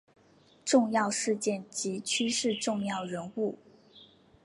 重要事件及趋势重要人物